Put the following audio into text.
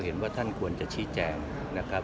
เห็นว่าท่านควรจะชี้แจงนะครับ